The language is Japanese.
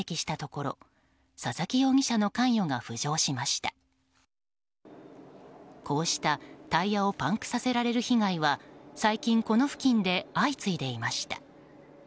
こうしたタイヤをパンクさせられる被害は最近、この付近で相次いでいました。